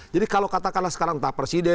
jadi kalau katakanlah sekarang entah presiden